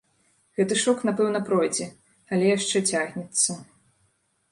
Гэты шок, напэўна, пройдзе, але яшчэ цягнецца.